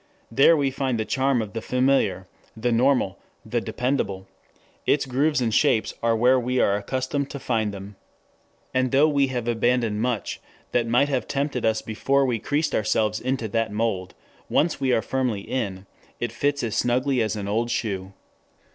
There we find the charm of the familiar, the normal, the dependable; its grooves and shapes are where we are accustomed to find them. And though we have abandoned much that might have tempted us before we creased ourselves into that mould, once we are firmly in, it fits as snugly as an old shoe.